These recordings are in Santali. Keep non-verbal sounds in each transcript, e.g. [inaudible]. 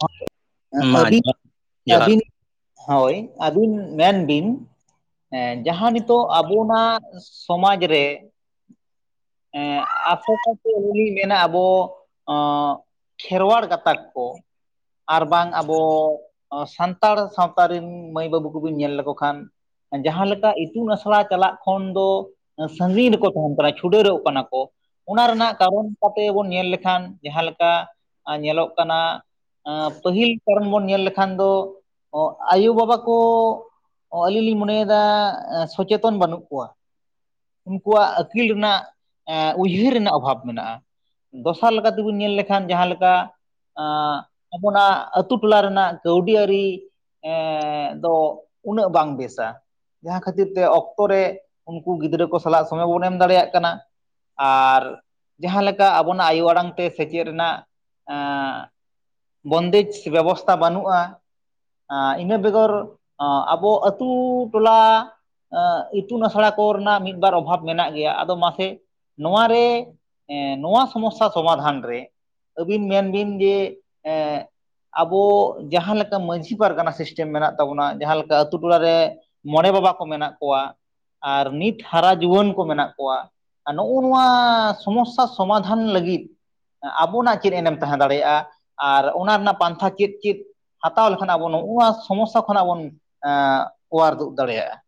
ᱦᱳᱭ [unintelligible] ᱢᱟ ᱟᱹᱵᱤᱱ ᱡᱚᱦᱟᱨ [unintelligible] ᱡᱚᱦᱟᱨ ᱟᱹᱵᱤᱱ [unintelligible] ᱟᱹᱵᱤᱱ ᱜᱮ ᱦᱳᱭ ᱟᱹᱵᱤᱱ ᱢᱮᱱ ᱵᱤᱱ ᱦᱮᱸ ᱡᱟᱸᱦᱟ ᱱᱤᱛᱚᱜ ᱟᱵᱚᱱᱟᱼᱜ ᱥᱚᱢᱟᱡᱽ ᱨᱮ ᱮᱸ ᱟᱠᱚ ᱠᱚ ᱛᱮ [inaudible] ᱢᱮᱱᱟᱜ ᱵᱚ ᱚᱸ ᱠᱷᱮᱨᱣᱟᱲ ᱜᱟᱛᱟᱠ ᱠᱚ ᱟᱨ ᱵᱟᱝ ᱟᱵᱚ ᱥᱟᱱᱛᱟᱲ ᱥᱟᱶᱛᱟ ᱨᱤᱱ ᱢᱟᱹᱭ ᱵᱟᱹᱵᱩ ᱠᱚᱵᱤᱱ ᱧᱮᱞ ᱞᱮᱠᱚ ᱠᱷᱟᱱ ᱡᱟᱸᱦᱟ ᱞᱮᱠᱟ ᱤᱛᱩᱱ ᱟᱥᱲᱟ ᱪᱟᱞᱟᱼᱜ ᱠᱷᱚᱱ ᱫᱚ ᱥᱟᱺᱜᱤᱧ ᱨᱮ ᱠᱚ ᱛᱟᱦᱮᱱ ᱠᱟᱱᱟ ᱪᱷᱩᱰᱟᱹᱨᱚᱼᱜ ᱠᱟᱱᱟ ᱠᱚ ᱚᱱᱟ ᱨᱮᱱᱟᱜ ᱠᱟᱨᱚᱱ ᱠᱟᱛᱮ ᱵᱚᱱ ᱧᱮᱞ ᱞᱮᱠᱷᱟᱱ ᱡᱟᱸᱦᱟ ᱞᱮᱠᱟ ᱧᱮᱞᱚᱜ ᱠᱟᱱᱟ ᱟᱸ ᱯᱟᱹᱦᱤᱞ ᱠᱟᱨᱚᱱ ᱵᱚᱱ ᱧᱮᱞ ᱞᱮᱠᱷᱟᱱ ᱫᱚ ᱟᱭᱳ-ᱵᱟᱵᱟ ᱠᱚ ᱚᱸᱻ ᱟᱹᱞᱤᱧ ᱞᱤᱧ ᱢᱚᱱᱮᱭ ᱫᱟ ᱥᱚᱪᱮᱛᱚᱱ ᱵᱟᱹᱱᱩᱼᱜ ᱠ ᱚᱣᱟ ᱩᱱᱠᱩᱣᱟᱼᱜ ᱟᱹᱠᱤᱞ ᱨᱮᱱᱟᱜ ᱩᱭᱦᱟᱹᱨ ᱨᱮᱱᱟᱜ ᱚᱵᱷᱟᱵᱽ ᱢᱮᱱᱟᱜᱼᱟ ᱫᱚᱥᱟᱨ ᱞᱮᱠᱟ ᱛᱮ ᱵᱚᱱ ᱧᱮᱞ ᱞᱮᱠᱷᱟᱱ ᱡᱟᱸᱦᱟ ᱞᱮᱠᱟ ᱟᱸ ᱟᱵᱚᱱᱟᱜ ᱟᱹᱛᱩ ᱴᱚᱞᱟ ᱨᱮᱱᱟᱜ ᱠᱟᱹᱣᱰᱤ ᱟᱹᱨᱤ ᱮᱸ ᱫᱚ ᱩᱱᱟᱹᱜ ᱵᱟᱝ ᱵᱮᱥᱟ᱾ ᱡᱟᱸᱦᱟ ᱠᱷᱟᱹᱛᱤᱨ ᱛᱮ ᱚᱠᱛᱚ ᱨᱮ ᱩᱱᱠᱩ ᱜᱤᱫᱽᱨᱟᱹ ᱠᱚ ᱥᱟᱞᱟᱜ ᱥᱚᱢᱚᱭ ᱵᱟᱝ ᱵᱚᱱ ᱮᱢ ᱫᱟᱲᱮᱭᱟᱜ ᱠᱟᱱᱟ ᱾ ᱟᱨ ᱡᱟᱸᱦᱟ ᱞᱮᱠᱟ ᱟᱵᱚᱱᱟᱜ ᱟᱭᱳ ᱟᱲᱟᱝ ᱛᱮ ᱥᱮᱪᱮᱫ ᱨᱮᱱᱟᱜ ᱟᱸᱻ ᱵᱚᱱᱫᱮᱡᱽ ᱵᱮᱵᱚᱥᱛᱟ ᱵᱟᱹᱱᱩᱜᱼᱟ ᱾ ᱟᱸ ᱤᱱᱟᱹ ᱵᱮᱜᱚᱨ [unintelligible] ᱟᱵᱚ ᱟᱹᱛᱩ ᱴᱚᱞᱟ [unintelligible] ᱟᱸ ᱤᱛᱩᱱ ᱟᱥᱲᱟ ᱠᱚ ᱨᱮᱱᱟᱜ ᱢᱤᱫ ᱵᱟᱨ ᱚᱵᱷᱟᱵᱽ ᱢᱮᱱᱟᱜ ᱜᱮᱭᱟ ᱟᱫᱚ ᱢᱟᱥᱮ ᱱᱚᱣᱟ ᱨᱮ ᱱᱚᱣᱟ ᱥᱚᱢᱚᱥᱥᱟ ᱥᱚᱢᱟᱫᱷᱟᱱ ᱨᱮ ᱟᱹᱵᱤᱱ ᱢᱮᱱ ᱵᱤᱱ ᱡᱮ, ᱮᱸ ᱟᱵᱚ ᱡᱟᱸᱦᱟ ᱞᱮᱠᱟ ᱢᱟᱹᱡᱷᱤ ᱯᱟᱨᱜᱟᱱᱟ ᱥᱤᱥᱴᱮᱢ ᱢᱮᱱᱟᱜ ᱛᱟᱵᱚᱱᱟ ᱡᱟᱸᱦᱟ ᱞᱮᱠᱟ ᱟᱹᱛᱩ ᱴᱚᱞᱟ ᱨᱮ ᱢᱚᱬᱮ ᱵᱟᱵᱟ ᱠᱚ ᱢᱮᱱᱟᱜ ᱠᱚᱣᱟ ᱟᱨ ᱱᱤᱛ ᱦᱟᱨᱟ ᱡᱩᱣᱟᱹᱱ ᱠᱚ ᱢᱮᱱᱟᱜ ᱠᱚᱣᱟ, ᱱᱚᱜᱼᱚ ᱱᱚᱣᱟ ᱥᱚᱢᱚᱥᱥᱟ ᱥᱚᱢᱟᱫᱷᱟᱱ ᱞᱟᱹᱜᱤᱫ ᱾ ᱟᱵᱚᱱᱟᱜ ᱪᱮᱫ ᱮᱱᱮᱢ ᱛᱟᱦᱮᱸ ᱫᱟᱲᱮᱭᱟᱜᱼᱟ ᱟᱨ ᱚᱱᱟ ᱨᱮᱱᱟᱜ ᱯᱟᱱᱛᱷᱟ ᱪᱮᱫ ᱪᱮᱫ? ᱦᱟᱛᱟᱣ ᱞᱮᱠᱷᱟᱱ ᱟᱵᱚ ᱱᱚᱜ-ᱚ ᱱᱚᱣᱟ ᱥᱚᱢᱚᱥᱟ ᱠᱷᱚᱱᱟᱜ ᱵᱚᱱ ᱚᱣᱟᱨ ᱫᱩᱜ ᱫᱟᱲᱮᱭᱟᱜᱼᱟ ᱾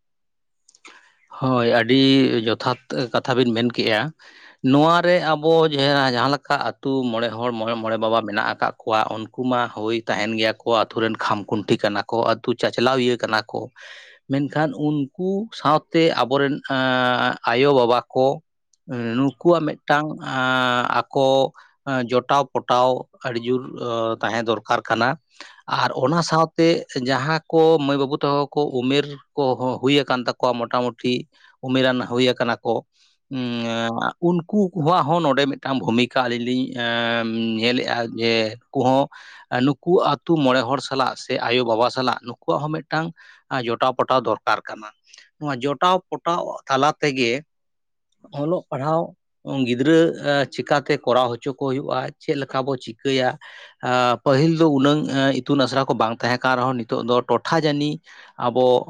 ᱦᱳᱭ ᱟᱹᱰᱤ ᱡᱚᱛᱷᱟᱛ ᱠᱟᱛᱷᱟ ᱵᱤᱱ ᱢᱮᱱ ᱠᱮᱜᱼᱟ ᱾ ᱱᱚᱣᱟ ᱨᱮ ᱟᱵᱚ ᱡᱟ [unintelligible] ᱡᱟᱸᱦᱟ ᱞᱮᱠᱟ ᱟᱹᱛᱩ ᱢᱚᱬᱮ ᱦᱚᱲ ᱢᱚᱬᱮ ᱢᱚᱬᱮ ᱵᱟᱵᱟ ᱢᱮᱱᱟᱜ ᱟᱠᱟᱫ [unintelligible] ᱠᱚᱣᱟ ᱩᱱᱠᱩ ᱢᱟ ᱦᱳᱭ ᱛᱟᱦᱮᱱ ᱜᱮᱭᱟ ᱠᱚ ᱟᱛᱳ ᱨᱮᱱ ᱠᱷᱟᱢ-ᱠᱷᱩᱱᱴᱤ ᱠᱟᱱᱟ ᱠᱚ ᱟᱛᱩ ᱪᱟᱪᱞᱟᱣ ᱤᱭᱟᱹ ᱠᱟᱱᱟ ᱠᱚ ᱢᱮᱱᱠᱷᱟᱱ ᱩᱱᱠᱩ ᱥᱟᱶᱛᱮ ᱟᱵᱚᱨᱮᱱ ᱮᱸᱻ ᱟᱭᱳ-ᱵᱟᱵᱟ ᱠᱚ ᱱᱩᱠᱩᱣᱟᱜ ᱢᱤᱫᱴᱟᱝ ᱟᱸᱻ ᱟᱠᱚ ᱾ [unintelligible] [unintelligible] ᱡᱚᱴᱟᱣ ᱯᱚᱴᱟᱣ ᱟᱹᱰᱤ ᱡᱩᱨ ᱛᱟᱸᱦᱮ ᱫᱚᱨᱠᱟᱨ ᱠᱟᱱᱟ ᱟᱨ ᱚᱱᱟ ᱥᱟᱶᱛᱮ ᱡᱟᱸᱦᱟ ᱠᱚ ᱢᱟᱹᱭ ᱵᱟᱹᱵᱩ ᱛᱟᱠᱚ ᱠᱚ ᱩᱢᱮᱨ, ᱠᱚ ᱦᱚ ᱦᱩᱭ ᱟᱠᱟᱱ ᱛᱟᱠᱚᱣᱟ ᱢᱚᱴᱟᱢᱩᱴᱤ ᱩᱢᱮᱨᱟᱱ ᱦᱩᱭ ᱟᱠᱟᱱᱟ ᱠᱚ, ᱩᱸ [unintelligible] ᱩᱱᱠᱩ ᱠᱚᱣᱟᱜ ᱦᱚᱸ ᱱᱚᱸᱰᱮ ᱢᱤᱫᱴᱟᱝ ᱵᱷᱩᱢᱤᱠᱟ ᱟᱞᱤᱧ ᱞᱤᱧ ᱮᱸ [unintelligible] ᱧᱮᱞᱮᱜᱼᱟ ᱡᱮ ᱠᱩ ᱦᱚᱸ ᱱᱩᱠᱩ ᱟᱛᱩ ᱢᱚᱬᱮ ᱦᱚᱲ ᱥᱟᱞᱟᱜ ᱥᱮ ᱟᱭᱳ-ᱵᱟᱵᱟ ᱥᱟᱞᱟᱜ ᱱᱩᱠᱩᱣᱟᱜ ᱦᱚᱸ ᱢᱤᱫᱴᱟᱝ ᱾ ᱡᱚᱴᱟᱣ ᱯᱚᱴᱟᱣ ᱫᱚᱨᱠᱟᱨ ᱠᱟᱱᱟ ᱾ ᱱᱚᱣᱟ ᱡᱚᱴᱟᱣ ᱯᱚᱴᱟᱣ ᱛᱟᱞᱟ ᱛᱮᱜᱮ ᱚᱞᱚᱜ ᱯᱟᱲᱦᱟᱣ, ᱜᱤᱫᱽᱨᱟᱹ ᱪᱤᱠᱟᱛᱮ ᱠᱚᱨᱟᱣ ᱦᱚᱪᱚ ᱠᱚ ᱦᱩᱭᱩᱜᱼᱟ ᱾ᱪᱮᱛ ᱞᱮᱠᱟ ᱵᱚ ᱪᱤᱠᱟᱹᱭᱟ, ᱯᱟᱹᱦᱤᱞ ᱫᱚ ᱩᱱᱟᱹᱝ ᱤᱛᱩᱱᱟᱥᱲᱟ ᱠᱚ ᱵᱟᱝ ᱛᱟᱦᱮᱸ ᱠᱟᱱ ᱨᱮᱦᱚᱸ ᱱᱤᱛᱚᱜ ᱫᱚ ᱴᱚᱴᱷᱟ ᱡᱟᱹᱱᱤ ᱟᱵᱚ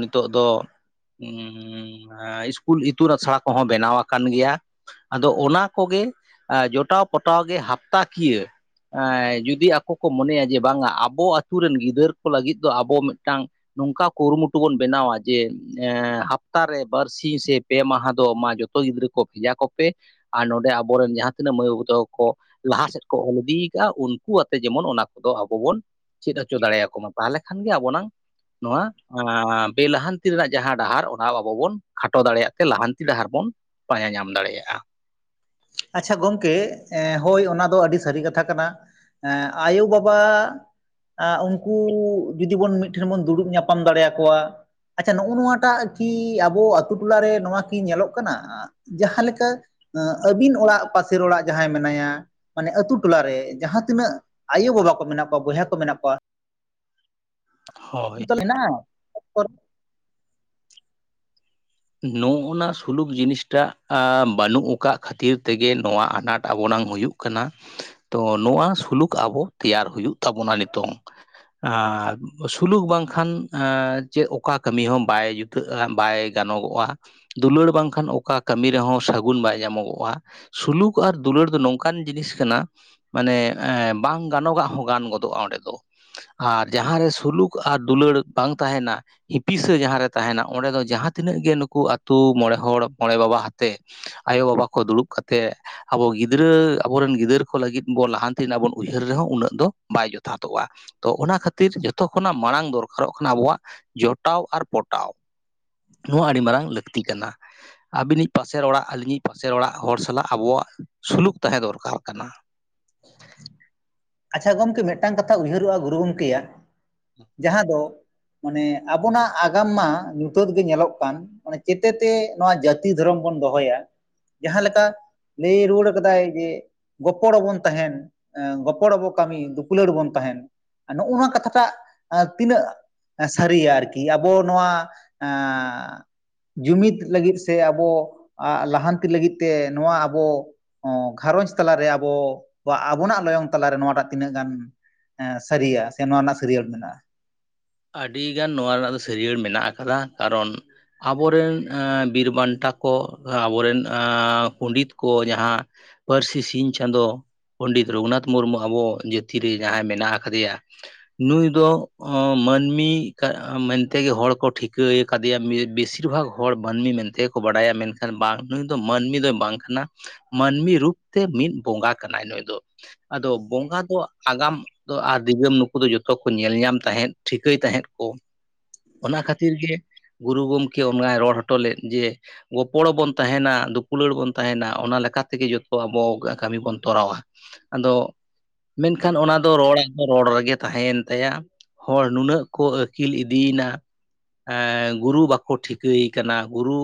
ᱱᱤᱛᱚᱜ ᱫᱚ, ᱤᱥᱠᱩᱞ ᱤᱛᱩᱱ ᱟᱥᱲᱟ ᱠᱚᱦᱚᱸ ᱵᱮᱱᱟᱣ ᱠᱟᱱ ᱜᱮᱭᱟ᱾ ᱟᱫᱚ ᱚᱱᱟ ᱠᱚᱜᱮ ᱡᱚᱴᱟᱣ ᱯᱚᱴᱟᱣ ᱜᱮ ᱦᱟᱯᱛᱟ ᱠᱤᱭᱟᱹ, ᱡᱩᱫᱤ ᱟᱠᱚ ᱠᱚ ᱢᱚᱱᱮᱭᱟ ᱡᱮ ᱵᱟᱝᱟ ᱟᱵᱚ ᱟᱛᱩ ᱨᱮᱱ ᱜᱤᱫᱟᱹᱨ ᱠᱚ ᱞᱟᱹᱜᱤᱫ ᱫᱚ ᱟᱵᱚ ᱢᱤᱜᱴᱟᱝ ᱱᱚᱝᱠᱟ ᱠᱩᱨᱩᱢᱩᱴᱩ ᱵᱚᱱ, ᱵᱮᱱᱟᱣᱟ ᱡᱮ ᱦᱟᱯᱛᱟ ᱨᱮ ᱵᱟᱨ ᱥᱤᱧ ᱥᱮ ᱯᱮ ᱢᱟᱦᱟ ᱫᱚ ᱢᱟ ᱡᱚᱛᱚ ᱜᱤᱫᱽᱨᱟᱹ ᱠᱚ ᱵᱷᱮᱡᱟ ᱠᱚᱯᱮ ᱟᱨ ᱱᱚᱰᱮ ᱟᱵᱚᱨᱮᱱ ᱡᱟᱦᱟᱸ ᱛᱤᱱᱟᱹᱜ ᱢᱟᱹᱭ ᱵᱟᱹᱵᱩ ᱛᱟᱠᱚ ᱠᱚ, ᱞᱟᱦᱟ ᱥᱮᱜ ᱠᱚ ᱚᱞ ᱤᱫᱤᱭ ᱠᱟᱜᱼᱟ ᱩᱱᱠᱩ ᱟᱛᱮ ᱡᱮᱢᱚᱱ ᱚᱱᱟ ᱠᱚᱫᱚ ᱟᱵᱚ ᱵᱚᱱ ᱪᱮᱫ ᱦᱚᱪᱚ ᱫᱟᱲᱮᱭᱟ ᱠᱚᱢᱟ᱾ ᱛᱟᱦᱮᱞᱮ ᱠᱷᱟᱱ ᱜᱮ ᱟᱵᱚ ᱱᱟᱝ ᱱᱚᱣᱟ ᱵᱮ ᱞᱟᱦᱟᱱᱛᱤ ᱨᱮᱱᱟᱜ ᱡᱟᱦᱟᱸ ᱰᱟᱦᱟᱨ ᱚᱱᱟ ᱟᱵᱚ ᱵᱚᱱ ᱠᱷᱟᱴᱚ ᱫᱟᱲᱮᱭᱟᱜ ᱛᱮ ᱞᱟᱦᱟᱱᱛᱤ ᱰᱟᱦᱟᱨ ᱵᱚᱱ, ᱯᱟᱸᱡᱟ ᱧᱟᱢ ᱫᱟᱲᱮᱭᱟᱜᱼᱟ᱾ ᱟᱪᱷᱟ ᱜᱚᱢᱠᱮ ᱦᱳᱭ ᱚᱱᱟ ᱫᱚ ᱟᱹᱰᱤ ᱥᱟᱹᱨᱤ ᱠᱟᱛᱷᱟ ᱠᱟᱱᱟ ᱟᱭᱳ ᱵᱟᱵᱟ ᱩᱱᱠᱩ ᱡᱩᱫᱤ ᱵᱚᱱ ᱢᱤᱛ ᱴᱷᱮᱱ ᱵᱚᱱ ᱫᱩᱲᱩᱵ ᱧᱟᱯᱟᱢ ᱫᱟᱲᱮᱭᱟ ᱠᱚᱣᱟ᱾ ᱟᱪᱷᱟ ᱱᱚᱜᱼᱚ ᱱᱚᱣᱟᱴᱟᱜ ᱠᱤ ᱟᱵᱚ ᱟᱛᱩ ᱴᱚᱞᱟᱨᱮ ᱱᱚᱣᱟ ᱠᱤ ᱧᱮᱞᱚᱜ ᱠᱟᱱᱟ? ᱡᱟᱦᱟᱸ ᱞᱮᱠᱟ ᱟᱹᱵᱤᱱ ᱚᱲᱟᱜ ᱯᱟᱥᱮᱨ ᱚᱲᱟᱜ ᱡᱟᱦᱟᱸᱭ ᱢᱮᱱᱟᱭᱟ ᱢᱟᱱᱮ ᱟᱹᱛᱩ ᱴᱚᱞᱟ ᱨᱮ ᱡᱟᱦᱟᱸ ᱛᱤᱱᱟᱹᱜ ᱟᱭᱳ ᱵᱟᱵᱟ ᱠᱚ ᱢᱮᱱᱟᱜ ᱠᱚᱣᱟ ᱵᱚᱭᱦᱟ ᱠᱚ ᱢᱮᱱᱟᱜ ᱠᱚᱣᱟ ᱦᱳᱭ [unintelligible] [inaudible] ᱱᱚᱜᱱᱟ ᱥᱩᱞᱩᱠ ᱡᱤᱱᱤᱥᱴᱟᱜ ᱵᱟᱹᱱᱩᱜ ᱠᱟᱜ ᱠᱷᱟᱹᱛᱤᱨ ᱛᱮᱜᱮ ᱱᱚᱣᱟ ᱟᱱᱟᱴ ᱟᱵᱚᱱᱟᱝ ᱦᱩᱭᱩᱜ ᱠᱟᱱᱟ ᱾ ᱛᱚ ᱱᱚᱣᱟ ᱥᱩᱞᱩᱠ ᱟᱵᱚ ᱛᱮᱭᱟᱨ ᱦᱩᱭᱩᱜ ᱛᱟᱵᱚᱱᱟ ᱱᱤᱛᱚᱝ᱾ ᱟᱨ ᱥᱩᱞᱩᱠ ᱵᱟᱝᱠᱷᱟᱱ ᱪᱮᱜ ᱚᱠᱟ ᱠᱟᱹᱢᱤ ᱦᱚᱸ ᱵᱟᱭ ᱡᱩᱛᱟᱹᱜᱼᱟ ᱵᱟᱭ ᱜᱟᱱᱚᱜᱚᱜᱼᱟ ᱫᱩᱞᱟᱹᱲ ᱵᱟᱝᱠᱷᱟᱱ ᱚᱠᱟ ᱠᱟᱹᱢᱤ ᱨᱮᱦᱚᱸ ᱥᱟᱹᱜᱩᱱ ᱵᱟᱭ ᱧᱟᱢᱚᱜᱚᱜᱼᱟ᱾ ᱥᱩᱞᱩᱠ ᱟᱨ ᱫᱩᱞᱟᱹᱲ ᱫᱚ ᱱᱚᱝᱠᱟᱱ ᱡᱤᱱᱤᱥ ᱠᱟᱱᱟ ᱢᱟᱱᱮ ᱵᱟᱝ ᱜᱟᱱᱚᱜᱟᱜ ᱦᱚᱸ ᱜᱟᱱ ᱜᱚᱫᱚᱜᱼᱟ ᱚᱸᱰᱮ ᱫᱚ᱾ ᱟᱨ, ᱡᱟᱦᱟᱸᱨᱮ ᱥᱩᱞᱩᱠ ᱟᱨ ᱫᱩᱞᱟᱹᱲ ᱵᱟᱝ ᱛᱟᱦᱮᱱᱟ᱾ ᱦᱤᱯᱤᱥᱟᱹ ᱡᱟᱦᱟᱸ ᱨᱮ ᱛᱟᱦᱮᱸᱱᱟ ᱚᱸᱰᱮ ᱫᱚ ᱡᱟᱦᱟᱸ ᱛᱤᱱᱟᱹᱜ ᱜᱮ ᱱᱩᱠᱩ ᱟᱹᱛᱩ ᱢᱚᱬᱮ ᱦᱚᱲ ᱢᱚᱬᱮ ᱵᱟᱵᱟ ᱟᱛᱮ ᱟᱭᱳ ᱵᱟᱵᱟ ᱠᱚ ᱫᱩᱲᱩᱵ ᱠᱟᱛᱮᱜ ᱟᱵᱚ ᱜᱤᱫᱽᱨᱟᱹ ᱟᱵᱚᱨᱮᱱ ᱜᱤᱫᱟᱹᱨ ᱠᱚ ᱞᱟᱹᱜᱤᱫ ᱵᱚᱱ ᱞᱟᱦᱟᱱᱛᱤ ᱨᱮᱱᱟᱜ ᱵᱚᱱ ᱩᱭᱦᱟᱹᱨ ᱨᱮᱦᱚᱸ ᱩᱱᱟᱹᱜ ᱫᱚ ᱵᱟᱭ ᱡᱚᱛᱷᱟᱛᱚᱜᱼᱟ᱾ ᱛᱚ ᱚᱱᱟ ᱠᱷᱟᱹᱛᱤᱨ ᱡᱚᱛᱚ ᱠᱷᱚᱱᱟᱜ ᱢᱟᱲᱟᱝ ᱫᱚᱨᱠᱟᱨᱚᱜ ᱠᱟᱱᱟ ᱟᱵᱚᱣᱟᱜ ᱡᱚᱴᱟᱣ ᱟᱨ ᱯᱚᱴᱟᱣ ᱱᱚᱣᱟ ᱟᱹᱰᱤ ᱢᱟᱨᱟᱝ ᱞᱟᱹᱠᱛᱤ ᱠᱟᱱᱟ᱾ ᱟᱹᱵᱤᱱᱤᱡ ᱯᱟᱥᱮᱨ ᱚᱲᱟᱜ ᱟᱹᱞᱤᱧᱤᱡ ᱯᱟᱥᱮᱨ ᱚᱲᱟᱜ ᱦᱚᱲ ᱥᱟᱞᱟᱜ ᱟᱵᱚᱣᱟᱜ ᱥᱩᱞᱩᱠ ᱛᱟᱦᱮᱸ ᱫᱚᱨᱠᱟᱨ ᱠᱟᱱᱟ᱾ ᱟᱪᱪᱷᱟ ᱜᱚᱢᱠᱮ ᱢᱤᱫᱴᱟᱝ ᱠᱟᱛᱷᱟ ᱩᱭᱦᱟᱹᱨᱚᱜᱼᱟ ᱜᱩᱨᱩ ᱜᱚᱝᱠᱮᱭᱟᱜ, ᱡᱟᱦᱟᱸ ᱫᱚ ᱢᱟᱱᱮ ᱟᱵᱚᱱᱟᱜ ᱟᱜᱟᱢ ᱢᱟ ᱧᱩᱛᱟᱹᱛ ᱜᱮ ᱧᱮᱞᱚᱜ ᱠᱟᱱ ᱚᱱᱮ ᱪᱮᱛᱮᱛᱮ ᱱᱚᱣᱟ ᱡᱟᱹᱛᱤ ᱫᱷᱚᱨᱚᱢ ᱵᱚᱱ ᱫᱚᱦᱚᱭᱟ᱾ ᱡᱟᱦᱟᱸ ᱞᱮᱠᱟ ᱞᱟᱹᱭ ᱨᱩᱣᱟᱹᱲ ᱠᱟᱫᱟᱭ ᱡᱮ ᱜᱚᱯᱚᱲᱚ ᱵᱚᱱ ᱛᱟᱦᱮᱸᱱ ᱜᱚᱯᱚᱲᱚᱵᱚ ᱠᱟᱹᱢᱤ ᱫᱩᱯᱞᱟᱹᱲ ᱵᱚᱱ ᱛᱟᱦᱮᱱ ᱱᱚᱜᱼᱚ ᱱᱚᱣᱟ ᱠᱟᱛᱷᱟᱴᱟᱜ ᱛᱤᱱᱟᱹᱜ ᱥᱟᱹᱨᱤᱭᱟ ᱟᱨᱠᱤ ᱟᱵᱚ ᱱᱚᱣᱟ ᱡᱩᱢᱤᱫ ᱞᱟᱹᱜᱤᱫ ᱥᱮ ᱟᱵᱚ ᱞᱟᱦᱟᱱᱛᱤ ᱞᱟᱹᱜᱤᱫ ᱛᱮ ᱱᱚᱣᱟ ᱟᱵᱚ ᱦᱚᱸ ᱜᱷᱟᱨᱚᱸᱡ ᱛᱟᱞᱟᱨᱮ ᱟᱵᱚ ᱟᱵᱚᱱᱟᱜ ᱞᱚᱭᱚᱝ ᱛᱟᱞᱟᱨᱮ ᱱᱚᱣᱟᱴᱟᱜ ᱛᱤᱱᱟᱹᱜ ᱜᱟᱱ ᱥᱟᱹᱨᱤᱭᱟ ᱥᱮ ᱱᱚᱣᱟ ᱨᱮᱱᱟᱜ ᱥᱟᱹᱲᱤᱭᱟᱹᱲ ᱢᱮᱱᱟᱜᱼᱟ᱾ ᱟᱹᱰᱤ ᱜᱟᱱ ᱱᱚᱣᱟ ᱨᱮᱱᱟᱜ ᱫᱚ ᱥᱟᱹᱨᱤᱭᱟᱹᱲ ᱢᱮᱱᱟᱜ ᱟᱠᱟᱫᱟ ᱠᱟᱨᱚᱱ ᱟᱵᱚᱨᱮᱱ ᱵᱤᱨ ᱵᱟᱱᱴᱟ ᱠᱚ ᱟᱵᱚᱨᱮᱱ ᱯᱚᱸᱰᱤᱛ ᱠᱚ ᱡᱟᱦᱟᱸ ᱯᱟᱹᱨᱥᱤ ᱥᱤᱧ ᱪᱟᱸᱫᱚ ᱯᱚᱱᱰᱤᱛ ᱨᱚᱜᱷᱩᱱᱟᱛᱷ ᱢᱩᱨᱢᱩ ᱟᱵᱚ ᱡᱟᱹᱛᱤ ᱨᱮ ᱡᱟᱦᱟᱸᱭ ᱢᱮᱱᱟᱜ ᱟᱠᱟᱫᱮᱭᱟ᱾ ᱱᱩᱭ ᱫᱚ ᱚᱸ ᱢᱟᱹᱱ ᱢᱤ ᱢᱮᱱᱛᱮᱜᱮ ᱦᱚᱲ ᱠᱚ ᱴᱷᱤᱠᱟᱹᱭ ᱠᱟᱫᱮᱭᱟ ᱵᱮᱥᱤᱨ ᱵᱷᱟᱜ ᱦᱚᱲ ᱢᱟᱹᱱᱢᱤ ᱢᱮᱱᱛᱮ ᱠᱚ ᱵᱟᱰᱟᱭᱟ ᱢᱮᱱᱠᱷᱟᱱ ᱵᱟᱝ ᱱᱩᱭ ᱫᱚ ᱢᱟᱹᱱᱢᱤ ᱫᱚᱭ ᱵᱟᱝ ᱠᱟᱱᱟ ᱢᱟᱹᱱᱢᱤ ᱨᱩᱯ ᱛᱮ ᱢᱤᱫ ᱵᱚᱸᱜᱟ ᱠᱟᱱᱟᱭ ᱱᱩᱭ ᱫᱚ᱾ ᱟᱫᱚ ᱵᱚᱸᱜᱟ ᱫᱚ ᱟᱜᱟᱢ ᱫᱚ ᱟᱨ ᱫᱤᱜᱟᱹᱢ ᱱᱩᱠᱩ ᱫᱚ ᱡᱚᱛᱚ ᱠᱚ ᱧᱮᱞ ᱧᱟᱢ ᱛᱟᱦᱮᱸᱫ ᱾ ᱴᱷᱤᱠᱟᱹᱭ ᱛᱟᱦᱮᱸᱫ ᱠᱚ ᱚᱱᱟ ᱠᱷᱟᱹᱛᱤᱨ ᱜᱮ ᱜᱩᱨᱩ ᱜᱚᱢᱠᱮ ᱚᱱᱟᱭ ᱨᱚᱲ ᱦᱚᱴᱚ ᱞᱮᱫ ᱡᱮ ᱜᱚᱯᱚᱲᱚ ᱵᱚᱱ ᱛᱟᱦᱮᱱᱟ ᱫᱩᱯᱩᱞᱟᱹᱲ ᱵᱚᱱ ᱛᱟᱦᱮᱱᱟ ᱚᱱᱟ ᱞᱮᱠᱟ ᱛᱮᱜᱮ ᱡᱚᱛᱚ ᱟᱵᱚ ᱠᱟᱹᱢᱤ ᱵᱚᱱ ᱛᱚᱨᱟᱣᱟ ᱾ ᱟᱫᱚ ᱢᱮᱱᱠᱷᱟᱱ ᱚᱱᱟ ᱫᱚ ᱨᱚᱲᱟᱜ ᱫᱚ ᱨᱚᱲ ᱨᱮᱜᱮ ᱛᱟᱦᱮᱸᱭᱮᱱ ᱛᱟᱭᱟ ᱾ ᱦᱚᱲ ᱱᱩᱱᱟᱹᱜ ᱠᱚ ᱟᱹᱠᱤᱞ ᱤᱫᱤᱭᱮᱱᱟ ᱾ ᱮᱸ ᱜᱩᱨᱩ ᱵᱟᱠᱚ ᱴᱷᱤᱠᱟᱹᱭ ᱠᱟᱱᱟ ᱜᱩᱨᱩ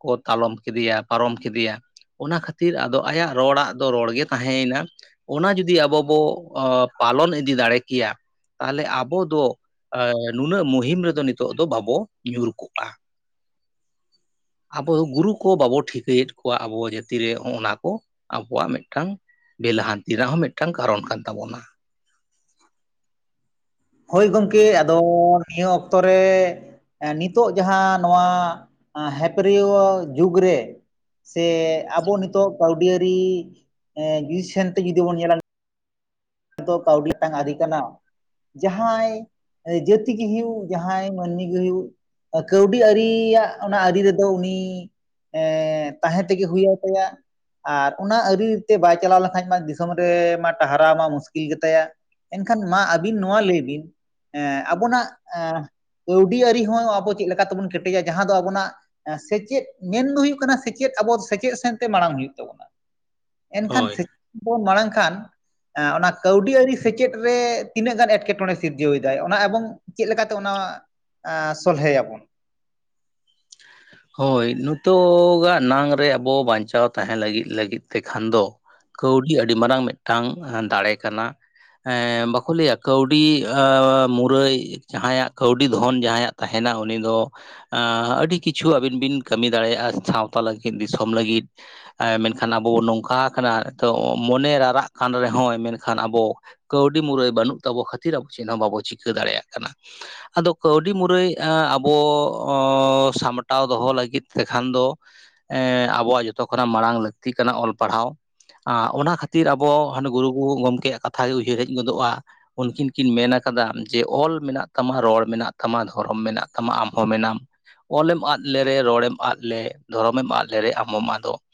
ᱠᱚ ᱛᱟᱞᱚᱢ ᱠᱮᱫᱮᱭᱟ ᱯᱟᱨᱚᱢ ᱠᱮᱫᱮᱭᱟ ᱾ ᱚᱱᱟ ᱠᱷᱟᱹᱛᱤᱨ ᱟᱫᱚ ᱟᱭᱟᱜ ᱨᱚᱲᱟᱜ ᱫᱚ ᱨᱚᱲ ᱜᱮ ᱛᱟᱦᱮᱸ ᱭᱮᱱᱟ ᱾ ᱚᱱᱟ ᱡᱩᱫᱤ ᱟᱵᱚ ᱵᱚ ᱟ ᱯᱟᱞᱚᱱ ᱤᱫᱤ ᱫᱟᱲᱮ ᱠᱮᱭᱟ ᱛᱟᱦᱚᱞᱮ ᱟᱵᱚ ᱫᱚ ᱱᱩᱱᱟᱹᱜ ᱢᱩᱦᱤᱢ ᱨᱮᱫᱚ ᱱᱤᱛᱚᱜ ᱫᱚ ᱵᱟᱵᱚ ᱧᱩᱨ ᱠᱚᱜ-ᱟ ᱾ [inaudible] ᱟᱵᱚ ᱜᱩᱨᱩ ᱠᱚ ᱵᱟᱵᱚ ᱴᱷᱤᱠᱟᱹᱭᱮᱫ ᱠᱚᱣᱟ ᱟᱵᱚ ᱡᱟᱹᱛᱤ ᱨᱮ ᱚᱸᱜ ᱚᱱᱟ ᱠᱚ ᱟᱵᱚᱣᱟᱜ ᱢᱤᱫᱴᱟᱝ ᱵᱮ ᱞᱟᱦᱟᱱᱛᱤ ᱨᱮᱱᱟᱜ ᱦᱚᱸ ᱢᱤᱫᱴᱟᱝ ᱠᱟᱨᱚᱱ ᱠᱟᱱ ᱛᱟᱵᱚᱱᱟ ᱾ ᱦᱚᱭ ᱜᱚᱝᱠᱮ ᱟᱫᱚ ᱱᱤᱭᱟᱹ ᱚᱠᱛᱚ ᱨᱮ ᱱᱤᱛᱚᱜ ᱡᱟᱦᱟᱸ ᱱᱚᱣᱟ ᱦᱮᱯᱮᱨᱤᱭᱟᱹᱣ ᱡᱩᱜᱽ ᱨᱮ ᱥᱮ ᱟᱵᱚ ᱱᱤᱛᱚᱜ ᱠᱟᱹᱣᱰᱤᱭᱨᱤ [unintelligible] ᱥᱮᱱᱛᱮ ᱡᱩᱫᱤ ᱵᱚᱱ ᱧᱮᱞᱟ, ᱛᱚ ᱠᱟᱹᱣᱰᱤ [unintelligible] ᱟᱨᱤ ᱠᱟᱱᱟ ᱾ ᱡᱟᱦᱟᱸᱭ ᱡᱟᱹᱛᱤ ᱜᱮ ᱦᱩᱭᱩᱜ, ᱡᱟᱦᱟᱸᱭ ᱢᱟᱹᱱᱢᱤ ᱜᱮ ᱦᱩᱭᱩᱜ ᱾ ᱠᱟᱹᱣᱰᱤ ᱟᱹᱨᱤᱭᱟᱜ ᱚᱱᱟ ᱟᱹᱨᱤ ᱨᱮᱫᱚ ᱩᱱᱤ, ᱮ ᱛᱟᱦᱮᱸ ᱛᱮᱜᱮ ᱦᱩᱭ ᱟᱭ ᱛᱟᱭᱟ ᱾ ᱟᱨ ᱚᱱᱟ ᱟᱹᱨᱤᱛᱮ ᱵᱟᱭ ᱪᱟᱞᱟᱣ ᱞᱮᱱᱠᱷᱟᱱ ᱢᱟ ᱫᱤᱥᱚᱢ ᱨᱮ ᱢᱟ ᱴᱟᱦᱟᱨᱟᱣ ᱢᱟ ᱢᱩᱥ ᱠᱤᱞ ᱜᱮ ᱛᱟᱭᱟ ᱮᱱᱠᱷᱟᱱ ᱢᱟ ᱟᱹᱵᱤᱱ ᱱᱚᱣᱟ ᱞᱟᱹᱭ ᱵᱤᱱ ᱮᱸ ᱟᱵᱚᱱᱟᱜ ᱮᱸ ᱠᱟᱹᱣᱰᱤ ᱟᱹᱨᱤ ᱦᱚᱸ ᱟᱵᱚ ᱪᱮᱫ ᱞᱮᱠᱟ ᱛᱮᱵᱚᱱ ᱠᱮᱴᱮᱡᱟ ᱡᱟᱦᱟᱸ ᱫᱚ ᱟᱵᱚᱱᱟᱜ, ᱥᱮᱪᱮᱫ ᱢᱮᱱ ᱫᱚ ᱦᱩᱭᱩᱜ ᱠᱟᱱᱟ ᱥᱮᱪᱮᱫ ᱟᱵᱚ ᱥᱮᱪᱮᱫ ᱥᱮᱱᱛᱮ ᱢᱟᱲᱟᱝ ᱦᱩᱭᱩᱜ ᱛᱟᱵᱚᱱᱟ ᱾ ᱮᱱᱠᱷᱟᱱ ᱦᱳᱭ ᱥᱮᱪᱮᱫ ᱵᱚᱱ ᱢᱟᱲᱟᱝ ᱠᱷᱟᱱ ᱚᱱᱟ ᱠᱟᱹᱣᱰᱤ ᱟᱹᱨᱤ ᱥᱮᱪᱮᱫ ᱨᱮ ᱛᱤᱱᱟᱹᱜ ᱜᱟᱱ ᱮᱴᱠᱮᱴᱚᱬᱮ ᱥᱤᱨᱡᱟᱹᱣ ᱮᱫᱟᱭ ᱚᱱᱟ ᱮᱵᱚᱝ ᱪᱮᱫ ᱞᱮᱠᱟᱛᱮ ᱚᱱᱟ, ᱮᱸ ᱥᱚᱞᱦᱮ ᱭᱟᱵᱚᱱ᱾ ᱦᱳᱭ ᱱᱤᱛᱚᱜᱟᱜ ᱱᱟᱝ ᱨᱮ ᱟᱵᱚ ᱵᱟᱧᱪᱟᱣ ᱛᱟᱦᱮᱸ ᱞᱟᱹᱜᱤᱫ ᱞᱟᱹᱜᱤᱫ ᱛᱮᱠᱷᱟᱱ ᱫᱚ ᱠᱟᱹᱣᱰᱤ ᱟᱹᱰᱤ ᱢᱟᱨᱟᱝ ᱢᱤᱫᱴᱟᱝ ᱫᱟᱲᱮ ᱠᱟᱱᱟ᱾ ᱮᱸᱻ ᱵᱟᱠᱚ ᱞᱟᱹᱭᱟ ᱠᱟᱹᱣᱰᱤ ᱟᱹ ᱢᱩᱨᱟᱹᱭ ᱡᱟᱦᱟᱸᱭᱟᱜ ᱠᱟᱹᱣᱰᱤ ᱫᱷᱚᱱ ᱡᱟᱸᱦᱟᱸᱭᱟᱜ ᱛᱟᱸᱦᱮᱱᱟ ᱩᱱᱤ ᱫᱚ ᱮᱸ ᱟᱹᱰᱤ ᱠᱤ ᱪᱷᱩ ᱟᱹᱵᱤᱱ ᱵᱤᱱ ᱠᱟᱹᱢᱤ ᱫᱟᱲᱮᱭᱟᱜ-ᱟ, ᱥᱟᱶᱛᱟ ᱞᱟᱹᱜᱤᱫ ᱫᱤᱥᱚᱢ ᱞᱟᱹᱜᱤᱫ ᱦᱮᱸ ᱢᱮᱱᱠᱷᱟᱱ ᱟᱵᱚ ᱱᱚᱝᱠᱟ ᱟᱠᱟᱱᱟ ᱱᱤᱛᱚᱜ ᱢᱚᱱᱮ ᱨᱟᱨᱟᱜ ᱠᱟᱱ ᱨᱮᱦᱚᱸᱭ ᱢᱮᱱᱠᱷᱟᱱ ᱟᱵᱚ ᱠᱟᱹᱣᱰᱤ ᱢᱩᱨᱟᱹᱭ ᱵᱟᱹᱱᱩᱜ ᱛᱟᱵᱚ ᱠᱷᱟᱹᱛᱤᱨ ᱟᱵᱚ ᱪᱮᱫ ᱦᱚᱸ ᱵᱟᱵᱚ ᱪᱤᱠᱟᱹ ᱫᱟᱲᱮᱭᱟᱜ ᱠᱟᱱᱟ ᱾ ᱟᱫᱚ ᱠᱟᱹᱣᱰᱤ ᱢᱩᱨᱟᱹᱭ ᱮᱸᱜ ᱟᱵᱚ ᱚᱻ ᱥᱟᱢ ᱴᱟᱣ ᱫᱚᱦᱚ ᱞᱟᱹᱜᱤᱫ ᱛᱮᱠᱷᱟᱱ ᱫᱚ ᱮᱸ ᱟᱵᱚᱣᱟᱜ ᱡᱚᱛᱚ ᱠᱷᱚᱱᱟᱜ ᱢᱟᱲᱟᱝ ᱞᱟᱹᱠᱛᱤ ᱠᱟᱱᱟ ᱚᱞ ᱯᱟᱲᱦᱟᱣ ᱾ ᱟᱸᱜ ᱚᱱᱟ ᱠᱷᱟᱹᱛᱤᱨ ᱟᱵᱚ ᱦᱟᱸᱱᱮ ᱜᱩᱨᱩ ᱜᱚᱢᱠᱮᱭᱟᱜ ᱠᱟᱛᱷ ᱜᱮ ᱩᱭᱦᱟᱹᱨ ᱦᱮᱡ ᱜᱚᱫᱚᱜ-ᱟ, ᱩᱱᱠᱤᱱ ᱠᱤᱱ ᱢᱮᱱ ᱠᱟᱫᱟ, ᱡᱮ ᱚᱞ ᱢᱮᱱᱟᱜ ᱛᱟᱢᱟ ᱨᱚᱲ ᱢᱮᱱᱟᱜ ᱛᱟᱢᱟ ᱫᱷᱚᱨᱚᱢ ᱢᱮᱱᱟᱜ ᱛᱟᱢᱟ ᱟᱢᱦᱚᱸ ᱢᱮᱱᱟᱢ, ᱚᱞᱮᱢ ᱟᱫ ᱞᱮᱨᱮ ᱨᱚᱲᱮᱢ ᱟᱫ ᱞᱮ ᱫᱷᱚᱨᱚᱢ ᱮᱢ ᱟᱫ ᱞᱮᱨᱮ ᱟᱢᱦᱚᱢ ᱟᱫᱚᱜ ᱾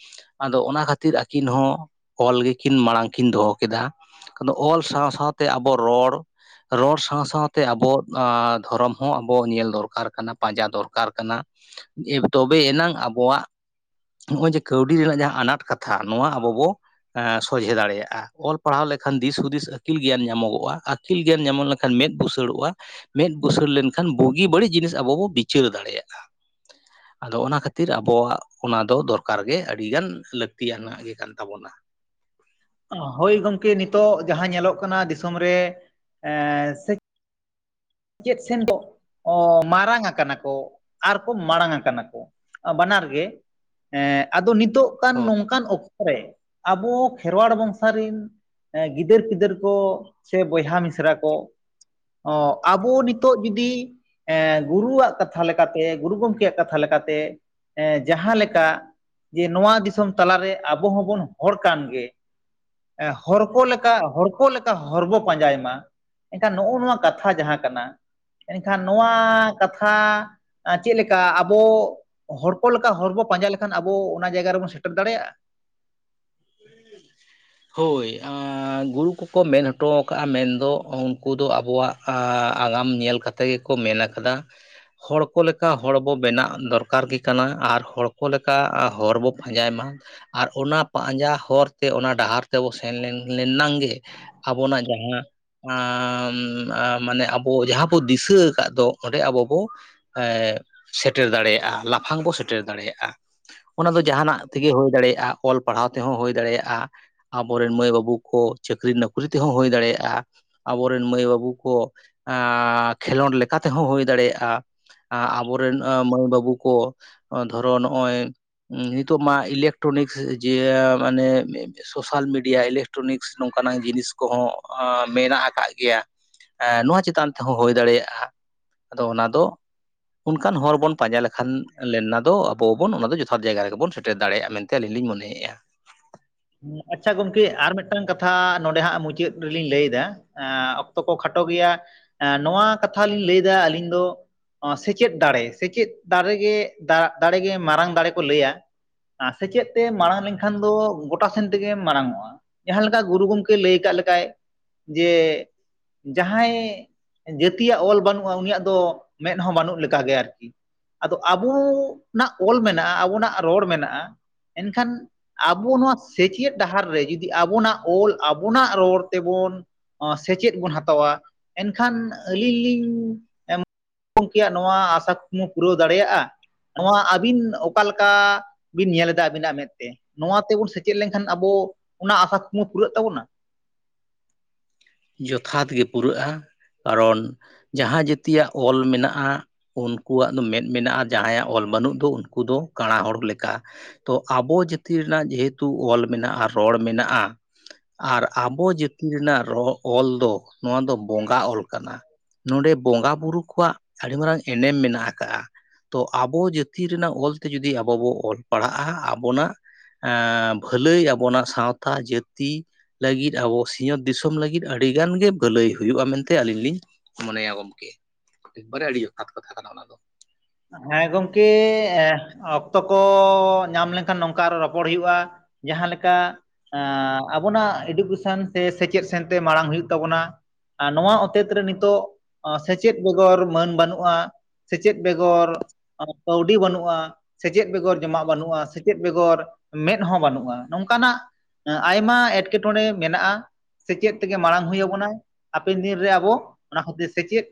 ᱟᱫᱚ ᱚᱱᱟ ᱠᱷᱟᱹᱛᱤᱨ ᱟᱹᱠᱤᱱ ᱦᱚᱸ ᱠᱚᱞ ᱜᱮᱠᱤᱱ ᱢᱟᱲᱟᱝ ᱠᱤᱱ ᱫᱚᱦᱚ ᱠᱮᱫᱟ, ᱟᱫᱚ ᱚᱞ ᱥᱟᱶᱼᱥᱟᱶᱛᱮ ᱟᱵᱚ ᱨᱚᱲ ᱨᱚᱲ ᱥᱟᱶᱼᱥᱟᱶᱛᱮ ᱟᱵᱚ ᱟᱻ ᱫᱷᱚᱨᱚᱢ ᱦᱚᱸ ᱟᱵᱚᱣᱟᱜ ᱧᱮᱞ ᱫᱚᱨᱠᱟᱨ ᱠᱟᱱᱟ ᱯᱟᱸᱡᱟ ᱫᱚᱨᱠᱟᱨ ᱠᱟᱱᱟ ᱾ ᱮ ᱛᱚᱵᱮ ᱮᱱᱟᱝ ᱟᱵᱚᱣᱟᱜ ᱱᱚᱜᱼᱚᱭ ᱡᱮ ᱠᱟᱹᱣᱰᱤ ᱨᱮᱱᱟᱜ ᱡᱟᱦᱟᱸ ᱟᱱᱟᱴ ᱠᱟᱛᱷᱟ ᱱᱚᱣᱟ ᱟᱵᱚ ᱵᱚ ᱟᱸ ᱥᱚᱡᱷᱮ ᱫᱟᱲᱮᱭᱟᱜ-ᱟ, ᱚᱞ ᱯᱟᱲᱦᱟᱣ ᱞᱮᱠᱷᱟᱱ ᱫᱤᱥ ᱦᱩᱫᱤᱥ ᱟᱹᱠᱤᱞ ᱜᱮᱭᱟᱱ ᱧᱟᱢᱚᱜᱚᱜ-ᱟ, ᱟᱹᱠᱤᱞ ᱜᱮᱭᱟᱱ ᱧᱟᱢ ᱞᱮᱱᱠᱷᱟᱱ ᱢᱮᱸᱫ ᱵᱩᱥᱟᱹᱲᱚᱜ-ᱟ, ᱢᱮᱫ ᱵᱩᱥᱟᱹᱲ ᱞᱮᱱᱠᱷᱟᱱ ᱵᱩᱜᱤ ᱵᱟᱹᱲᱤᱡ ᱡᱤᱱᱤᱥ ᱟᱵᱚ ᱵᱚᱱ ᱵᱤᱪᱟᱹᱨ ᱫᱟᱲᱮᱭᱟᱜ-ᱟ ᱾ ᱟᱫᱚ ᱚᱱᱟ ᱠᱷᱟᱹᱛᱤᱨ ᱟᱵᱚᱣᱟᱜ ᱚᱱᱟ ᱫᱚ ᱫᱚᱨᱠᱟᱨ ᱜᱮ ᱟᱹᱰᱤᱜᱟᱱ ᱞᱟᱹᱠᱛᱤᱭᱟᱱᱟᱜ ᱜᱮ ᱠᱟᱱ ᱛᱟᱵᱚᱱᱟ ᱾ ᱦᱳᱭ ᱜᱚᱢᱠᱮ ᱱᱤᱛᱚᱜ ᱡᱟᱦᱟᱸ ᱧᱮᱞᱚᱜ ᱠᱟᱱᱟ ᱫᱤᱥᱚᱢ ᱨᱮ ᱮᱸᱻ ᱥᱮ ᱪᱮᱫ ᱥᱮᱱ ᱫᱚ ᱢᱟᱨᱟᱝ ᱟᱠᱟᱱᱟ ᱠᱚ, ᱟᱨ ᱠᱚ ᱢᱟᱲᱟᱝ ᱟᱠᱟᱱᱟ ᱠᱚ ᱾ ᱵᱟᱱᱟᱨ ᱜᱮ ᱮᱸᱜ ᱟᱫᱚ ᱱᱤᱛᱚᱜ ᱠᱟᱱ ᱦᱳᱭ ᱱᱚᱝᱠᱟᱱ ᱚᱠᱛᱚ ᱨᱮ ᱟᱵᱚ ᱠᱷᱮᱨᱣᱟᱲ ᱵᱚᱝᱥᱟ ᱨᱮᱱ ᱮᱸ ᱜᱤᱫᱟᱹᱨ ᱯᱤᱫᱟᱹᱨ ᱠᱚ ᱥᱮ ᱵᱚᱭᱦᱟ ᱢᱤᱥᱨᱟ ᱠᱚ ᱚᱜ ᱟᱵᱚ ᱱᱤᱛᱚᱜ ᱡᱩᱫᱤ ᱮ ᱜᱩᱨᱩᱣᱟᱜ ᱠᱟᱛᱷᱟ ᱞᱮᱠᱟᱛᱮ ᱜᱩᱨᱩ ᱜᱚᱢᱠᱮᱭᱟᱜ ᱠᱟᱛᱷᱟ ᱞᱮᱠᱟᱛᱮ ᱮᱸ ᱡᱟᱦᱟᱸ ᱞᱮᱠᱟ ᱡᱮ ᱱᱚᱣᱟ ᱫᱤᱥᱚᱢ ᱛᱟᱞᱟᱨᱮ ᱟᱵᱚ ᱦᱚᱸᱵᱚᱱ ᱦᱚᱲ ᱠᱟᱱᱜᱮ, ᱦᱚᱲ ᱠᱚ ᱞᱮᱠᱟ ᱦᱚᱲ ᱠᱚ ᱞᱮᱠᱟ ᱦᱚᱨ ᱵᱚ ᱯᱟᱸᱡᱟᱭ ᱢᱟ, ᱮᱱᱠᱷᱟᱱ ᱱᱚᱜᱼᱚ ᱱᱚᱣᱟ ᱠᱟᱛᱷᱟ ᱡᱟᱦᱟᱸ ᱠᱟᱱᱟ, ᱮᱱᱠᱷᱟᱱ ᱱᱚᱣᱟ ᱠᱟᱛᱷᱟ ᱪᱮᱫ ᱞᱮᱠᱟ ᱟᱵᱚ ᱦᱚᱲᱠᱚ ᱞᱮᱠᱟ ᱦᱚᱲ ᱵᱚ ᱯᱟᱸᱡᱟ ᱞᱮᱠᱷᱟᱱ ᱟᱵᱚ ᱚᱱᱟ ᱡᱟᱭᱜᱟ ᱨᱮᱵᱚᱱ ᱥᱮᱴᱮᱨ ᱫᱟᱲᱮᱭᱟᱜᱼᱟ? [unintelligible] ᱦᱳᱭ ᱜᱩᱨᱩ ᱠᱚᱠᱚ ᱢᱮᱱ ᱦᱚᱴᱚ ᱟᱠᱟᱫᱼᱟ ᱢᱮᱱᱫᱚ ᱩᱱᱠᱩ ᱫᱚ ᱟᱵᱚᱣᱟᱜ ᱟᱻ ᱟᱜᱟᱢ ᱧᱮᱞ ᱠᱟᱛᱮᱫ ᱜᱮᱠᱚ ᱢᱮᱱ ᱠᱟᱫᱟ, ᱦᱚᱲ ᱠᱚ ᱞᱮᱠᱟ ᱦᱚᱲᱵᱚ ᱵᱮᱱᱟᱜ ᱫᱚᱨᱠᱟᱨ ᱜᱮ ᱠᱟᱱᱟ, ᱟᱨ ᱦᱚᱲ ᱠᱚ ᱞᱮᱠᱟ ᱦᱚᱨ ᱵᱚ ᱯᱟᱸᱡᱟᱭᱢᱟ᱾ ᱟᱨ ᱚᱱᱟ ᱯᱟᱸᱡᱟ ᱦᱚᱨ ᱛᱮ ᱚᱱᱟ ᱰᱟᱦᱟᱨ ᱛᱮᱵᱚ ᱥᱮᱱ ᱞᱮᱱᱟᱝ ᱜᱮ ᱟᱵᱚᱱᱟᱜ ᱡᱟᱦᱟᱸ ᱟᱸᱻ ᱢᱟᱱᱮ ᱟᱵᱚ ᱡᱟᱦᱟᱸ ᱵᱚ ᱫᱤᱥᱟᱹ ᱟᱠᱟᱫ ᱫᱚ ᱚᱸᱰᱮ ᱟᱵᱚ ᱵᱚ ᱮᱸᱜ ᱥᱮᱴᱮᱨ ᱫᱟᱲᱮᱭᱟᱜᱼᱟ ᱞᱟᱯᱷᱟᱝ ᱵᱚ ᱥᱮᱴᱮᱨ ᱫᱟᱲᱮᱭᱟᱜᱼᱟ᱾ ᱚᱱᱟ ᱫᱚ ᱡᱟᱸᱦᱟᱱᱟᱜ ᱛᱮᱜᱮ ᱦᱩᱭ ᱫᱟᱲᱮᱭᱟᱜᱼᱟ ᱚᱞ ᱯᱟᱲᱦᱟᱣ ᱛᱮᱦᱚᱸ ᱦᱩᱭ ᱫᱟᱲᱮᱭᱟᱜᱼᱟ, ᱟᱵᱚᱨᱮᱱ ᱢᱟᱹᱭ ᱵᱟᱹᱵᱩ ᱠᱚ ᱪᱟᱹᱠᱨᱤ ᱱᱚᱠᱨᱤ ᱛᱮᱦᱚᱸ ᱦᱩᱭ ᱫᱟᱲᱮᱭᱟᱜᱼᱟ, ᱟᱵᱚᱨᱮᱱ ᱢᱟᱹᱭ ᱵᱟᱹᱵᱩ ᱠᱚ ᱟᱸᱻ ᱠᱷᱮᱞᱳᱰ ᱞᱮᱠᱟ ᱛᱮᱦᱚᱸ ᱦᱩᱭ ᱫᱟᱲᱮᱭᱟᱜᱼᱟ, ᱟᱵᱚᱨᱮᱱ ᱢᱟᱹᱭ ᱵᱟᱹᱵᱩ ᱠᱚ ᱫᱷᱚᱨᱚ ᱱᱚᱜᱼᱚᱭ ᱱᱤᱛᱚᱜ ᱢᱟ ᱤᱞᱮᱠᱴᱨᱚᱱᱤᱠ ᱡᱮ ᱢᱟᱱᱮ ᱥᱳᱥᱟᱞ ᱢᱤᱰᱤᱭᱟ ᱤᱞᱮᱠᱴᱨᱚᱱᱤᱠᱥ ᱱᱚᱝᱠᱟᱱᱟᱝ ᱡᱤᱱᱤᱥ ᱠᱚᱦᱚᱸ ᱢᱮᱱᱟᱜ ᱟᱠᱟᱫ ᱜᱮᱭᱟ, ᱮᱸ ᱱᱚᱣᱟ ᱪᱮᱛᱟᱱ ᱛᱮᱦᱚᱸ ᱦᱩᱭ ᱫᱟᱲᱮᱭᱟᱜᱼᱟ, ᱟᱫᱚ ᱚᱱᱟ ᱫᱚ ᱚᱱᱠᱟᱱ ᱦᱚᱲ ᱵᱚᱱ ᱯᱟᱸᱡᱟ ᱞᱮᱠᱷᱟᱱ ᱞᱮᱱᱟ ᱫᱚ ᱟᱵᱚ ᱵᱚᱱ ᱚᱱᱟ ᱫᱚ ᱡᱚᱛᱷᱟᱛ ᱡᱟᱭᱜᱟ ᱨᱮᱜᱮᱵᱚᱱ ᱥᱮᱴᱮᱨ ᱫᱟᱲᱮᱭᱟᱜᱼᱟ ᱢᱮᱱᱛᱮ ᱟᱞᱤᱧ ᱞᱤᱧ ᱢᱚᱱᱮᱭᱮᱫᱭᱮᱜ ᱼᱟ᱾ ᱟᱪᱪᱷᱟ ᱜᱚᱝᱠᱮ ᱟᱨ ᱢᱤᱫᱴᱟᱝ ᱠᱟᱛᱷᱟ ᱱᱚᱰᱮ ᱦᱟᱸᱜ ᱢᱩᱪᱟᱹᱫ ᱨᱮᱞᱤᱧ ᱞᱟᱹᱭ ᱮᱫᱟ, ᱮᱸ, ᱚᱠᱛᱚ ᱠᱚ ᱠᱷᱟᱴᱚ ᱜᱮᱭᱟ, ᱱᱚᱶᱟ, ᱠᱟᱛᱷᱟ ᱞᱤᱧ ᱞᱟᱹᱭᱫᱟ ᱟᱹᱞᱤᱧ ᱫᱚ ᱥᱮᱪᱮᱫ ᱫᱟᱲᱮ, ᱥᱮᱪᱮᱫ ᱫᱟᱨᱮᱜᱮ, ᱫᱟᱲᱮᱜᱮ ᱢᱟᱨᱟᱝ ᱫᱟᱲᱮ ᱠᱚ ᱞᱟᱹᱭᱟ᱾ ᱟᱸ, ᱥᱮᱪᱮᱫ ᱛᱮ ᱢᱟᱲᱟᱝ ᱞᱮᱱᱠᱷᱟᱱ ᱫᱚ ᱜᱚ ᱜᱚᱴᱟ ᱥᱮᱱ ᱛᱮᱜᱮᱢ ᱢᱟᱨᱟᱝ ᱚᱜᱼᱟ, ᱡᱟᱦᱟᱸ ᱞᱮᱠᱟ ᱜᱩᱨᱩ ᱜᱚᱢᱠᱮ ᱞᱟᱹᱭ ᱠᱟᱜ ᱞᱮᱠᱟᱭ, ᱡᱮ ᱡᱟᱦᱟᱸᱭ ᱡᱟᱹᱛᱤᱭᱟᱜ ᱚᱞ ᱵᱟᱹᱱᱩᱜᱼᱟ, ᱩᱱᱤᱭᱟᱜ ᱫᱚ ᱢᱮᱸᱫ ᱦᱚᱸ ᱵᱟᱹᱱᱩᱜ ᱞᱮᱠᱟᱜᱮ ᱟᱨᱠᱤ᱾ ᱟᱫᱚ ᱟᱵᱚ, ᱱᱟᱜ ᱚᱞ ᱢᱮᱱᱟᱜᱼᱟ, ᱟᱵᱚᱱᱟᱜ ᱨᱚᱲ ᱢᱮᱱᱟᱜᱼᱟ᱾ ᱮᱱᱠᱷᱟᱱ, ᱟᱵᱚ ᱱᱚᱶᱟ ᱥᱮᱪᱮᱫ ᱰᱟᱦᱟᱨ ᱨᱮ, ᱡᱩᱫᱤ ᱟᱵᱚᱱᱟᱜ ᱚᱞ, ᱟᱵᱚᱱᱟᱜ ᱨᱚᱲ ᱛᱮᱵᱚᱱ ᱥᱮᱪᱮᱫ ᱵᱚᱱ ᱦᱟᱛᱟᱣᱟ, ᱮᱱᱠᱷᱟᱱ ᱟᱹᱞᱤᱧ ᱞᱤᱧ, ᱮᱢ ᱵᱩᱨᱩ ᱜᱚᱢᱠᱮᱭᱟᱜ ᱱᱚᱶᱟ, ᱟᱥᱟ ᱠᱚᱠᱢᱩ ᱯᱩᱨᱟᱹᱣ ᱫᱟᱲᱮᱭᱟᱜᱼᱟ᱾ ᱱᱚᱶᱟ ᱟᱹᱵᱤᱱ ᱚᱠᱟ ᱞᱮᱠᱟ, ᱵᱤᱱ ᱧᱮᱞ ᱮᱫᱟ, ᱟᱵᱤᱱᱟᱜ ᱢᱮᱫᱛᱮ, ᱱᱚᱶᱟ ᱛᱮᱵᱚᱱ ᱥᱮ ᱪᱮᱫ ᱞᱮᱱᱠᱷᱟᱱ ᱟᱵᱚ, ᱚᱱᱟ ᱟᱥᱟ ᱠᱩᱠᱢᱩ ᱯᱩᱨᱟᱹᱜ ᱛᱟᱵᱚᱱᱟ? ᱡᱚᱛᱷᱟᱛ ᱜᱮ ᱯᱩᱨᱟᱹᱜᱼᱟ, ᱠᱟᱨᱚᱱ ᱡᱟᱦᱟᱸ ᱡᱟᱹᱛᱤᱭᱟᱜ ᱚᱞ ᱢᱮᱱᱟᱜᱼᱟ᱾ ᱩᱱᱠᱩᱣᱟᱜ ᱫᱚ ᱢᱮᱫ ᱢᱮᱱᱟᱜᱼᱟ, ᱡᱟᱦᱟᱸᱭᱟᱜ ᱚᱞ ᱵᱟᱹᱱᱩᱜ ᱫᱚ ᱩᱱᱠᱩ ᱫᱚ, ᱠᱟᱸᱬᱟ ᱦᱚᱲ ᱞᱮᱠᱟ? ᱛᱚ ᱟᱵᱚ ᱡᱟᱹᱛᱤ ᱨᱮᱱᱟᱜ ᱡᱮᱦᱮᱛᱩ, ᱚᱞ ᱢᱮᱱᱟᱜᱼᱟ, ᱨᱚᱲ ᱢᱮᱱᱟᱜᱼᱟ, ᱟᱨ ᱟᱵᱚ ᱡᱟᱹᱛᱤ ᱨᱮᱱᱟᱜ ᱨᱚ ᱚᱞ ᱫᱚ, ᱱᱚᱶᱟ ᱫᱚ ᱵᱚᱸᱜᱟ ᱚᱞ ᱠᱟᱱᱟ᱾ ᱱᱚᱰᱮ ᱵᱚᱸᱜᱟ ᱵᱩᱨᱩ ᱠᱚᱣᱟᱜ, ᱟᱹᱰᱤ ᱢᱟᱨᱟᱝ ᱮᱱᱮᱢ ᱢᱮᱱᱟᱜ ᱟᱠᱟᱜᱼᱟ᱾ ᱛᱚ ᱟᱵᱚ ᱡᱟᱹᱛᱤ ᱨᱮᱱᱟᱜ ᱚᱞᱛᱮ ᱡᱩᱫᱤ, ᱟᱵᱚ ᱵᱚ ᱚᱞ ᱯᱟᱲᱦᱟᱜᱼᱟ ᱟᱵᱚᱱᱟᱜ ᱮᱸ, ᱵᱷᱟᱹᱞᱟᱹᱭ ᱟᱵᱚᱱᱟ ᱥᱟᱶᱛᱟ ᱡᱟᱹᱛᱤ ᱞᱟᱹᱜᱤᱫᱽ ᱟᱵᱚ ᱥᱤᱧᱚᱛ ᱫᱤᱥᱚᱢ ᱞᱟᱹᱜᱤᱫᱽ ᱟᱹᱰᱤ ᱟᱹᱰᱤ ᱜᱟᱱ ᱜᱮ ᱵᱷᱟᱹᱞᱟᱹᱭ ᱦᱩᱭᱩᱜᱼᱟ, ᱢᱮᱱᱛᱮ ᱟᱹᱞᱤᱧ ᱞᱤᱧ ᱢᱚᱱᱮᱭᱟ ᱜᱚᱢᱠᱮ᱾ ᱮᱠᱵᱟᱨᱮ ᱟᱹᱰᱤ ᱡᱚᱛᱷᱟᱛ ᱠᱟᱛᱷᱟ ᱠᱟᱱᱟ ᱚᱱᱟ ᱫᱚ᱾ ᱦᱮᱸ ᱜᱚᱢᱠᱮ, ᱚᱠᱛᱚ ᱠᱚ ᱧᱟᱢ ᱞᱮᱱᱠᱷᱟᱱ ᱱᱚᱝᱠᱟ ᱟᱨᱚ ᱨᱚᱯᱚᱲ ᱦᱩᱭᱩᱜᱼᱟ? ᱡᱟᱦᱟᱸᱞᱮᱠᱟ ᱟᱵᱚᱱᱟᱜ ᱮᱰᱩᱠᱮᱥᱮᱱ ᱥᱮ, ᱥᱮᱪᱮᱫ ᱥᱮᱱᱛᱮ ᱢᱟᱲᱟᱝ ᱦᱩᱭᱩᱜ ᱛᱟᱵᱚᱱᱟ᱾ ᱟᱨ ᱱᱚᱶᱟ ᱚᱛᱮᱫ ᱨᱮ, ᱱᱤᱛᱚᱜ ᱥᱮᱪᱮᱫ ᱵᱮᱜᱚᱨ ᱢᱟᱹᱱ ᱵᱟᱹᱱᱩᱜᱼᱟ, ᱥᱮᱪᱮᱫ ᱵᱮᱜᱚᱨ ᱠᱟᱹᱣᱰᱤ ᱵᱟᱹᱱᱩᱜᱼᱟ᱾ ᱥᱮᱪᱮᱫ ᱵᱮᱜᱚᱨ ᱡᱚᱢᱟᱜ ᱵᱟᱹᱱᱩᱜᱼᱟ, ᱥᱮᱪᱮᱫ ᱵᱮᱜᱚᱨ ᱢᱮᱸᱫ ᱦᱚᱸ ᱵᱟᱹᱱᱩᱜᱼᱟ, ᱱᱚᱝᱠᱟᱱᱟᱜ ᱟᱭᱢᱟ ᱮᱴᱠᱮᱴᱚᱬᱮ ᱢᱮᱱᱟᱜᱼᱟ᱾ ᱥᱮᱪᱮᱫ ᱛᱮᱜᱮ ᱢᱟᱲᱟᱝ ᱦᱩᱭ ᱟᱵᱚᱱᱟ, ᱦᱟᱯᱮᱱ ᱫᱤᱱ ᱨᱮ ᱟᱵᱚ ᱚᱱᱟ ᱠᱷᱟᱹᱛᱤᱨ ᱥᱮᱪᱮᱫ